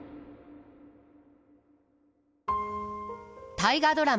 大河ドラマ